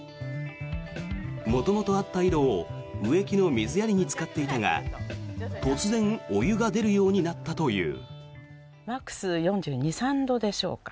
元々あった井戸を植木の水やりに使っていたが突然、お湯が出るようになったという。